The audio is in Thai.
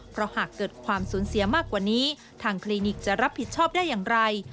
เพราะหากเกิดความสูญเสียมากกว่านี้ทางคลินิกจะรับผิดชอบได้อย่างไร